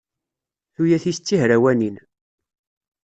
Tuyat-is d tihrawanin.